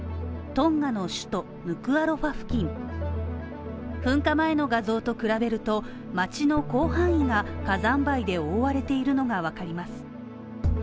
どんなの首都、ヌクアロファ付近噴火前の画像と比べると、町の広範囲が火山灰で覆われているのがわかります。